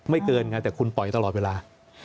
เกินไงแต่คุณปล่อยตลอดเวลา